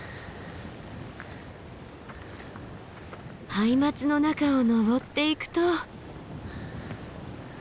ハイマツの中を登っていくと。